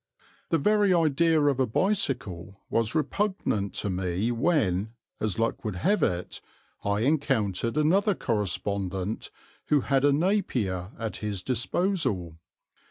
The very idea of a bicycle was repugnant to me when, as luck would have it, I encountered another correspondent who had a Napier at his disposal.